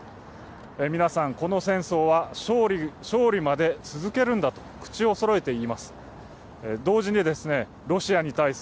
皆さんこの戦争は勝利まで続けるんだと口をそろえて言います。